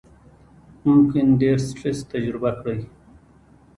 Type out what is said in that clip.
ممکن ډېر سټرس تجربه کړئ،